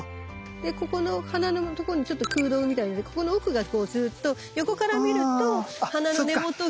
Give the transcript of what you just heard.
でここの花のとこにちょっと空洞みたいなのでここの奥がこうずーっと横から見ると花の根元が細く。